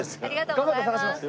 頑張って探します。